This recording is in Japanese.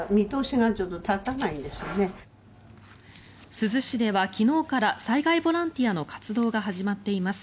珠洲市では昨日から災害ボランティアの活動が始まっています。